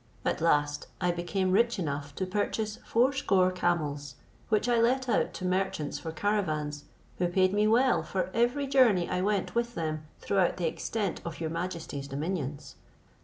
At last I became rich enough to purchase fourscore camels, which I let out to merchants for caravans, who paid me well for every journey I went with them throughout the extent of your majesty's dominions.